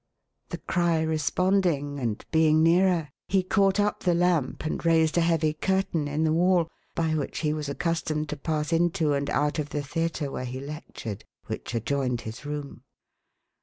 The cry responding, and being nearer, he caught up the lamp, and raised a heavy curtain in the wall, by which he was accustomed to pass into and out of the theatre where he lectured, — which adjoined his room.